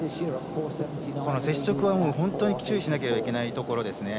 接触は本当に注意しなければいけないところです。